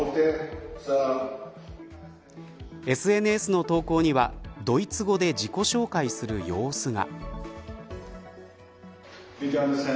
ＳＮＳの投稿にはドイツ語で自己紹介する様子が。